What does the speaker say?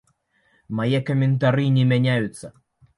Мае каментары не мяняюцца!